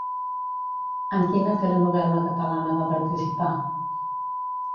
En quina telenovel·la catalana va participar?